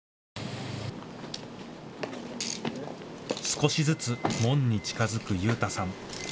少しずつ門に近づく悠太さん。